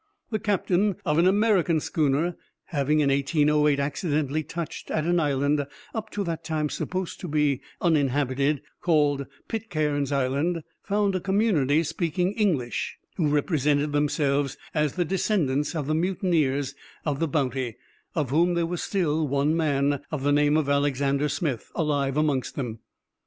The captain of an American schooner having, in 1808, accidentally touched at an island up to that time supposed to be uninhabited, called Pitcairn's Island, found a community speaking English, who represented themselves as the descendants of the mutineers of the Bounty, of whom there was still one man, of the name of Alexander Smith, alive amongst them.